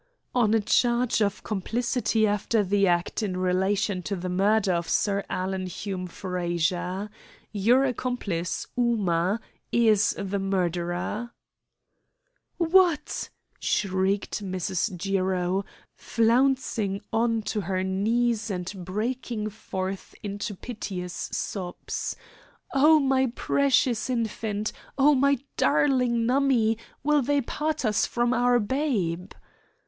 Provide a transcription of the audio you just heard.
"On a charge of complicity after the act in relation to the murder of Sir Alan Hume Frazer. Your accomplice, Ooma, is the murderer." "What!" shrieked Mrs. Jiro, flouncing on to her knees and breaking forth into piteous sobs. "Oh, my precious infant! Oh, my darling Nummie! Will they part us from our babe?"